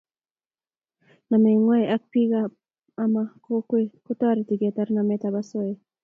namet nguay ak pik am kokwet kotareti ketar namet ap osoya